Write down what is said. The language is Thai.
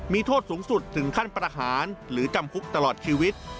มีโทษสูงสุดถึงขั้นประหารหรือจำคุกตลอดชีวิต